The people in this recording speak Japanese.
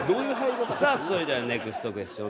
さあそれではネクストクエスチョン。